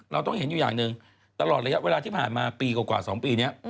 เราต้องเห็นอยู่อย่างหนึ่งตลอดระยะเวลาที่ผ่านมาปีกว่า๒ปีนี้